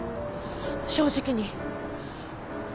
正直に。